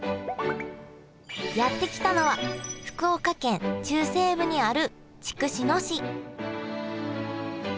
やって来たのは福岡県中西部にある筑紫野市